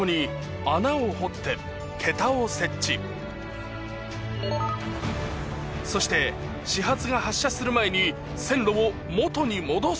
修海修靴始発が発車する前に線路を元に戻す。